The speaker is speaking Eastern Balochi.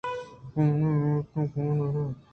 چونیں اُمیت ؟کاف ءَدرّانئیت